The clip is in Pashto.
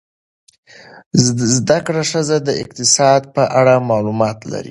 زده کړه ښځه د اقتصاد په اړه معلومات لري.